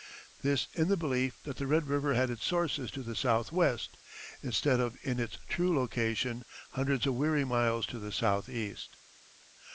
This in the belief that the Red River had its sources to the southwest, instead of in its true location hundreds of weary miles to the southeast.